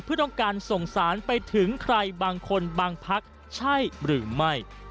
เพื่อต้องการส่งสารไปถึงใครบางคนบางพักใช่หรือไม่